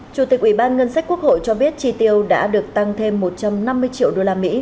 chủ tịch ủy ban ngân sách quốc hội cho biết chi tiêu đã được tăng thêm một trăm năm mươi triệu usd